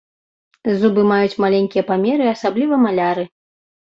Зубы маюць маленькія памеры, асабліва маляры.